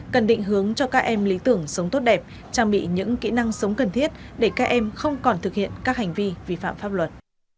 cần định hướng cho các em lý tưởng sống tốt đẹp trang bị những kỹ năng sống cần thiết để các em không còn thực hiện các hành vi vi phạm pháp luật